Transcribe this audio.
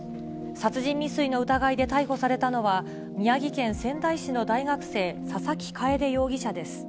殺人未遂の疑いで逮捕されたのは、宮城県仙台市の大学生、佐々木楓容疑者です。